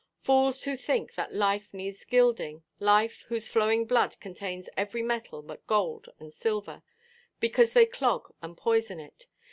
Fools who think that life needs gilding—life, whose flowing blood contains every metal but gold and silver—because they clog and poison it!